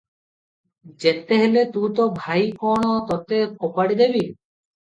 ଯେତେ ହେଲେ ତୁ ତ ଭାଇ, କ'ଣ ତୋତେ ଫୋପାଡ଼ି ଦେବି?